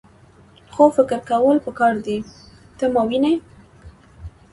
خو فکر کول پکار دي . ته ماوینې؟